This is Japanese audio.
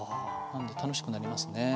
なんで楽しくなりますね。